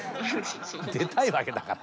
出たいわけだから。